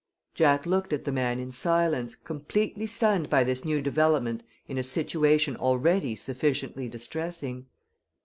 Jack looked at the man in silence, completely stunned by this new development in a situation already sufficiently distressing.